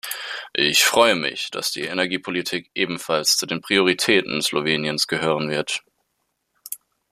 Ich freue mich, dass die Energiepolitik ebenfalls zu den Prioritäten Sloweniens gehören wird.